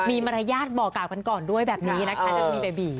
มีมารยาทบอกก่อนด้วยแบบนี้นะคะถ้ามีเบบี